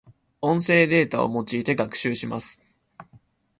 音声データを用いて学習します。